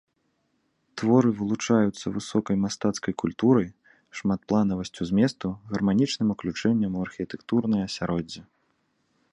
Творы вылучаюцца высокай мастацкай культурай, шматпланавасцю зместу, гарманічным уключэннем у архітэктурнае асяроддзе.